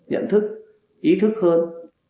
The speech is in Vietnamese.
nhận thức ý thức hơn